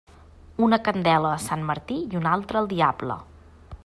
Una candela a Sant Martí i una altra al diable.